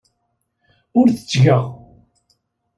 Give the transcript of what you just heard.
Ur t-ttgeɣ.